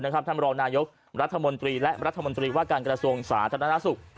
ท่านรองนายกรัฐมนตรีและรัฐมนตรีว่าการกระทรวงสาธารณสุข